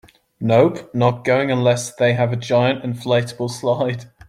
Nope, not going unless they have a giant inflatable slide.